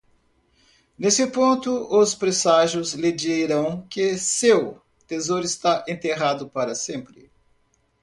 Nesse ponto, os presságios lhe dirão que seu tesouro está enterrado para sempre.